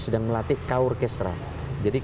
sedang melatih kaur kesra jadi